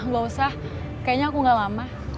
nggak usah kayaknya aku gak lama